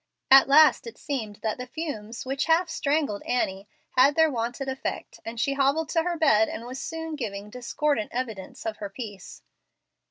At last it seemed that the fumes, which half strangled Annie, had their wonted effect, and she hobbled to her bed and was soon giving discordant evidence of her peace.